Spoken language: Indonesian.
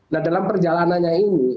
nah dalam perjalanannya ini